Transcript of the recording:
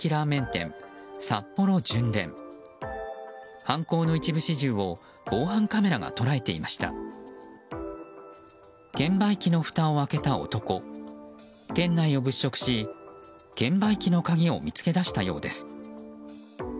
店内を物色し、券売機の鍵を見つけ出したようです。